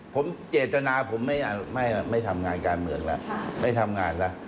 ผมเจตนาผมไม่ทำงานการเมืองแล้วไม่ทำงานแล้ว